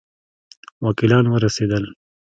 وکیلان ورسېدل.